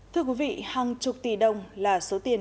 thưa quý vị hàng chục tỷ đồng là số tiền